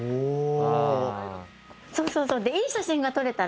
そうそうそうで。